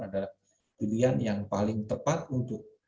adalah pilihan yang paling tepat untuk